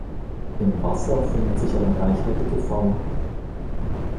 Im Wasser findet sich eine reichhaltige Fauna.